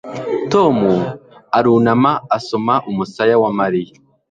Tom arunama asoma umusaya wa Mariya